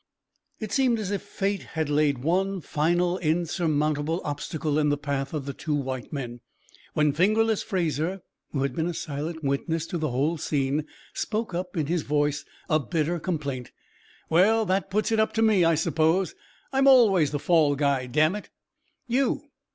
It seemed as if fate had laid one final insurmountable obstacle in the path of the two white men, when "Fingerless" Fraser, who had been a silent witness of the whole scene, spoke up, in his voice a bitter complaint: "Well, that puts it up to me, I suppose. I'm always the fall guy, damn it!" "_You!